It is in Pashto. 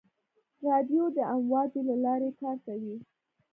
رادیو د امواجو له لارې کار کوي.